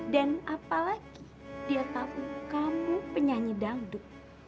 dan apalagi dia tahu kamu penyanyi dandut